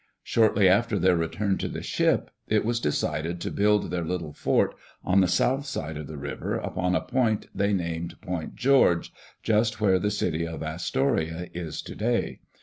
Shortly after their return to the ship it was decided to build their little fort on the south side of the river, upon a point they named Point George, just where the city of Astoria is today.